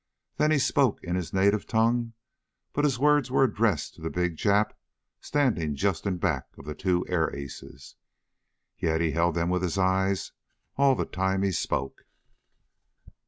Then he spoke in his native tongue, but his words were addressed to the big Jap standing just in back of the two air aces. Yet he held them with his eyes all the time he spoke.